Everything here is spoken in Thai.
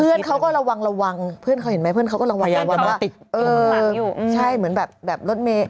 เพื่อนเขาก็ระวังเพื่อนเขาเห็นไหมเพื่อนเขาก็ระวังว่าเออใช่เหมือนแบบรถเม้